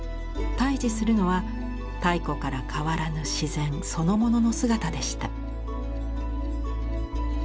対じするのは太古から変わらぬ自然そのものの姿でした。